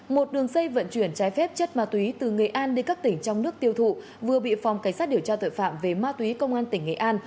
một đường dây vận chuyển trái phép chất ma túy từ nghệ an đi các tỉnh trong nước tiêu thụ vừa bị phòng cảnh sát điều tra tội phạm về ma túy công an tỉnh nghệ an